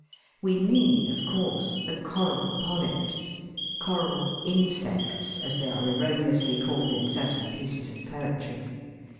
We mean, of course, the coral polyps, " coral insects" as they are erroneously called in certain pieces of poetry.